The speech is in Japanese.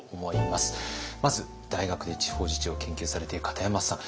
まず大学で地方自治を研究されている片山さん。